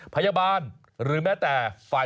พยาบาลหรือแม้แต่ฝ่ายลงทะเบียน